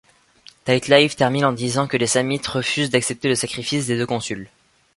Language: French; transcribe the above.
Tite-Live termine en disant que les Samnites refusent d'accepter le sacrifice des deux consuls.